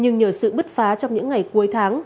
nhưng nhờ sự bứt phá trong những ngày cuối tháng